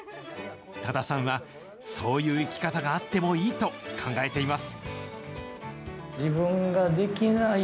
多田さんは、そういう生き方があってもいいと考えています。